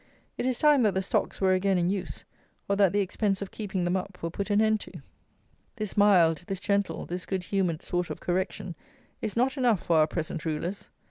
It is time that the stocks were again in use, or that the expense of keeping them up were put an end to. This mild, this gentle, this good humoured sort of correction is not enough for our present rulers.